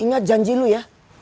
ingat janji lu ya